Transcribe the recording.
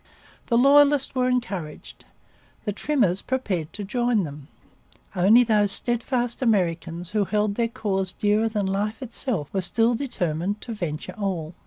The Loyalists were encouraged. The trimmers prepared to join them. Only those steadfast Americans who held their cause dearer than life itself were still determined to venture all.